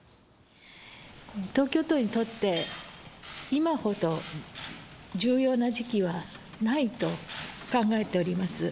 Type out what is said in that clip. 東京都にとって、今ほど重要な時期はないと考えております。